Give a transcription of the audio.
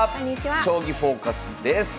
「将棋フォーカス」です。